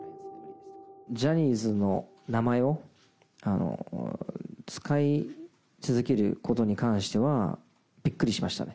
ジャニーズの名前を使い続けることに関しては、びっくりしましたね。